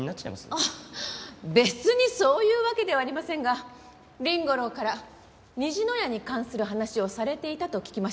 あっ別にそういうわけではありませんが凛吾郎から虹の屋に関する話をされていたと聞きましたもので。